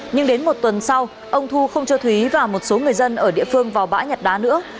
nhưng đến một tuần sau ông thu không cho thúy và một số người dân ở địa phương vào bãi nhặt đá nữa